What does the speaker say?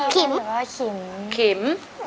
ขิมค่ะขิม